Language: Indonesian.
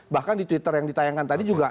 bahkan di twitter yang ditayangkan tadi juga